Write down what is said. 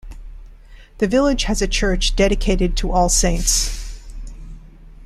The village has a church dedicated to All Saints.